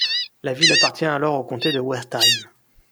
La ville appartient alors au comté de Wertheim.